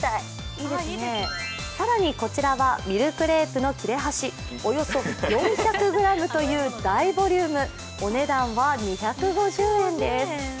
更にこちらはミルクレープの切れ端、およそ４００ｇという大ボリュームお値段は２５０円です。